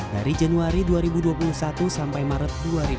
dari januari dua ribu dua puluh satu sampai maret dua ribu dua puluh